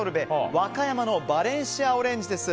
和歌山のバレンシアオレンジです。